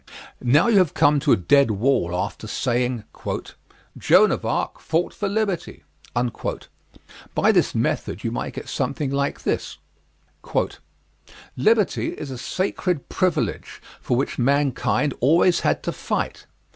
Now you have come to a dead wall after saying: "Joan of Arc fought for liberty." By this method you might get something like this: "Liberty is a sacred privilege for which mankind always had to fight.